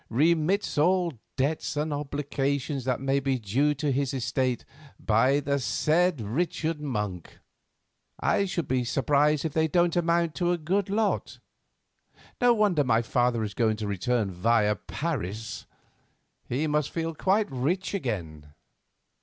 "'Remits all debts and obligations that may be due to his estate by the said Richard Monk.' I should be surprised if they don't amount to a good lot. No wonder my father is going to return via Paris; he must feel quite rich again."